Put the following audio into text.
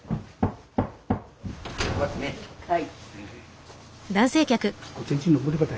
はい。